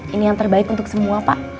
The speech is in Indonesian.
ini yang terbaik untuk semua pak